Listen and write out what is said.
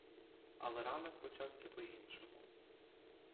Але ранок почався по-іншому.